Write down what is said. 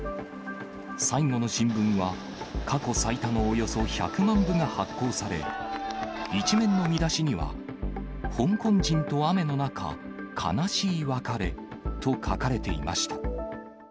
最後の新聞は、過去最多のおよそ１００万部が発行され、１面の見出しには、香港人と雨の中、悲しい別れと書かれていました。